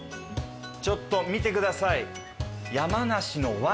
ちょっと見てください。